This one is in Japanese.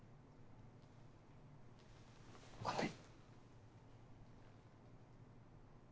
ごめん。